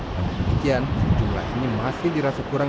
namun demikian jumlah ini masih dirasa kurang